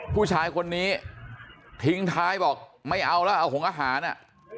ผู้ชายคนนี้ทิ้งท้ายบอกไม่เอาแล้วเอาหงอาหารอ่ะ